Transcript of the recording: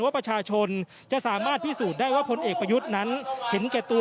ว่าประชาชนจะสามารถพิสูจน์ได้ว่าพลเอกประยุทธ์นั้นเห็นแก่ตัว